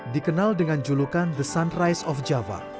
dikenal dengan julukan the sunrise of java